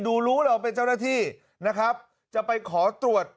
รู้รู้เราเป็นเจ้าหน้าที่นะครับจะไปขอตรวจ